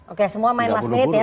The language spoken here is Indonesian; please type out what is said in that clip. oke semua main last minute ya